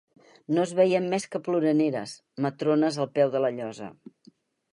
No es veien més que ploraneres, matrones al peu de la llosa